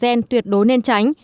gen tuyệt đối nên tránh